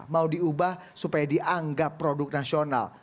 mau diubah supaya dianggap produk nasional